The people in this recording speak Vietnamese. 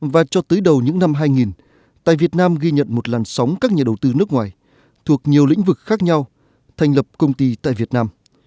và cho tới đầu những năm hai nghìn tại việt nam ghi nhận một làn sóng các nhà đầu tư nước ngoài thuộc nhiều lĩnh vực khác nhau thành lập công ty tại việt nam